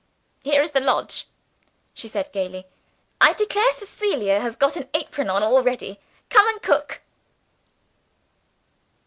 "Here is the lodge," she said gayly "I declare Cecilia has got an apron on already! Come, and cook."